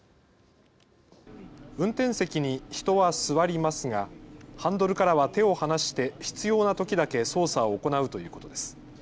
運転席に人は座りますがハンドルからは手を離して必要なときだけ操作を行うということです。